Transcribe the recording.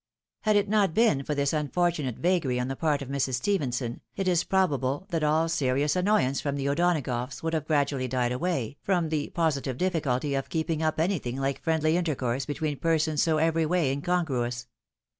Had it not been for this unfortunate vagary on the part of Mrs. Stephenson, it is probable that all serious annoyance from the O'Donagoughs would have gradually died away, from the positive difl&culty of keeping up anything like friendly inter course between persons so every way incongruous.